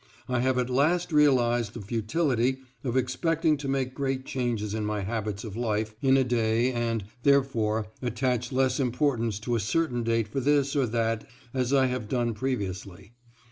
I have at last realized the futility of expecting to make great changes in my habits of life in a day and, therefore, attach less importance to a certain date for this or that as I have done previously.